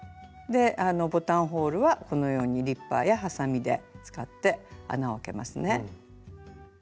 ボタンホールはこのようにリッパーやハサミで使って穴を開けますね。